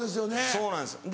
そうなんです。